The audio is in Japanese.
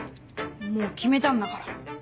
もう決めたんだから。